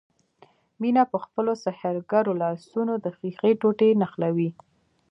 مينه په خپلو سحرګرو لاسونو د ښيښې ټوټې نښلوي.